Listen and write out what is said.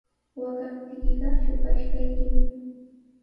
Waqaptiykiqa shuqashqaykimi.